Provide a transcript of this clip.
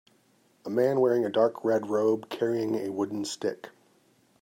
A man wearing a dark red robe carrying a wooden stick